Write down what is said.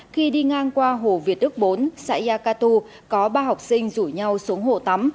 khi đi ngang qua hồ việt đức bốn xã yacatu có ba học sinh rủ nhau xuống hồ tắm